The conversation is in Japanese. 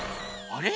あれ？